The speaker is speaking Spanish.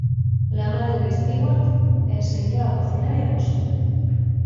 La madre de Stewart le enseñó a cocinar y a coser.